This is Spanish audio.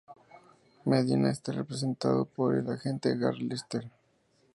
Medina está representado por el agente Gar Lester.